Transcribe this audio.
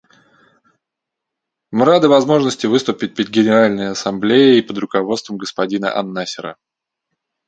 Мы рады возможности выступить перед Генеральной Ассамблеей под руководством господина ан-Насера.